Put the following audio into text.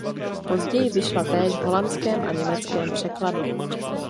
Později vyšla též v holandském a německém překladu.